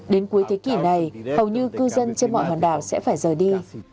đến cuối thế kỷ này hầu như cư dân trên mọi hòn đảo sẽ phải rời đi